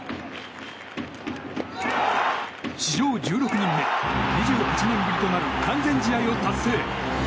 史上１６人目、２８年ぶりとなる完全試合を達成。